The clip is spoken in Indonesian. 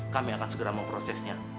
kami akan segera memprosesnya